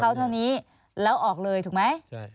เขาเท่านี้แล้วออกเลยถูกไหม